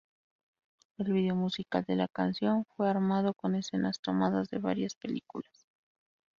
El video musical de la canción fue armado con escenas tomadas de varias películas.